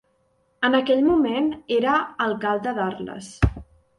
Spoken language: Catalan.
En aquell moment era alcalde d'Arles.